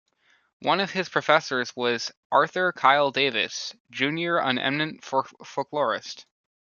One of his professors was Arthur Kyle Davis, Junior an eminent folklorist.